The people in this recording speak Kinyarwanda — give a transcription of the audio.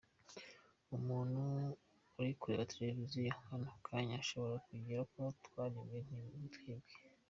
Umuntu uri kureba Televiziyo kano kanya ashobora kugira ngo twaribwe ntitwibwe!!”.